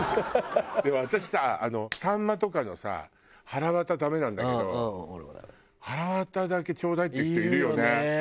でも私さサンマとかのさはらわたダメなんだけど「はらわただけちょうだい」って言う人いるよね。